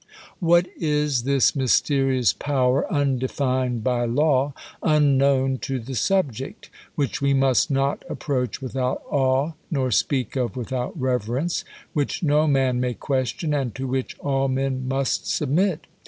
What is this mysterious power, undefmed by law, un known to the subject; which we must not approach without awe, nor speak of without reverence ; which no man may question, and to which all men must sub mit